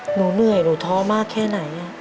หนูเหนื่อยหนูท้อมากแค่ไหน